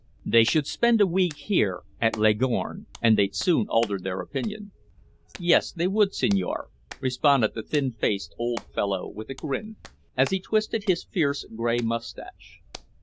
They should spend a week here, at Leghorn, and they'd soon alter their opinion." "Yes, they would, signore," responded the thin faced old fellow with a grin, as he twisted his fierce gray mustache.